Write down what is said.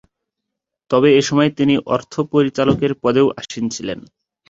তবে এসময় তিনি অর্থ পরিচালকের পদেও আসীন ছিলেন।